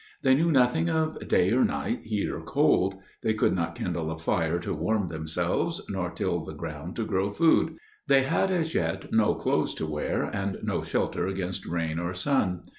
They knew nothing of day or night, heat or cold; they could not kindle a fire to warm themselves, nor till the ground to grow food. They had as yet no clothes to wear and no shelter against rain or sun.